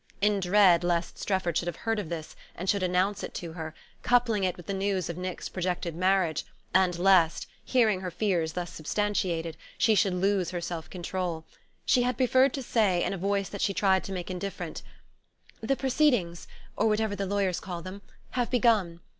In dread lest Strefford should have heard of this, and should announce it to her, coupling it with the news of Nick's projected marriage, and lest, hearing her fears thus substantiated, she should lose her self control, she had preferred to say, in a voice that she tried to make indifferent: "The 'proceedings,' or whatever the lawyers call them, have begun.